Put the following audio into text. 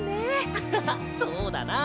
アハハそうだな。